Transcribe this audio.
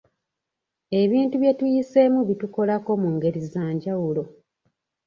Ebintu bye tuyiseemu bitukolako mu ngeri za njawulo.